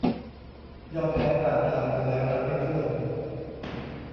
ยอมแพ้กลางทางมาแล้วนับไม่ถ้วน